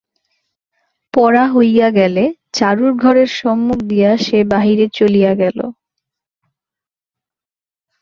পড়া হইয়া গেলে চারুর ঘরের সম্মুখ দিয়া সে বাহিরে চলিয়া গেল।